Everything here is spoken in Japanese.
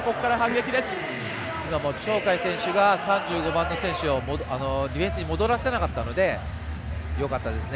鳥海選手が３５番の選手をディフェンスに戻らせなかったのでよかったですね。